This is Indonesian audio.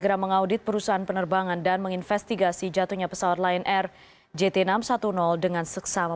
segera mengaudit perusahaan penerbangan dan menginvestigasi jatuhnya pesawat lion air jt enam ratus sepuluh dengan seksama